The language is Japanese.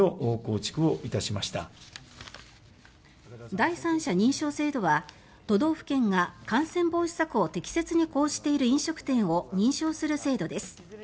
第三者認証制度は都道府県が感染防止策を適切に講じている飲食店を認証する制度です。